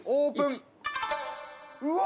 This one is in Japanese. うわ！